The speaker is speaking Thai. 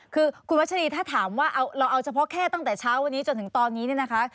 คือคุณวัชรีถ้าถามว่าเราเอาเฉพาะแค่ตั้งแต่เช้าวันนี้จนถึงตอนนี้เนี่ยนะคะ